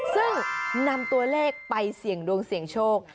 ซึ่งนำตัวเลขไปเสี่ยงดวงเสี่ยงโชค